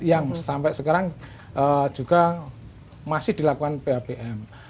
yang sampai sekarang juga masih dilakukan phpm